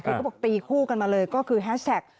ก็บอกตีคู่กันมาเลยก็คือแฮสแท็ก